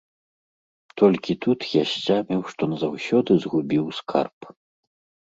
Толькі тут я сцяміў, што назаўсёды згубіў скарб.